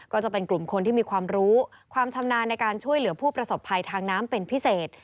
ก็จะเป็นกลุ่มคนที่มีความรู้ความชำนาญในการช่วยเหลือผู้ประสบภัยทางน้ำเป็นพิเศษ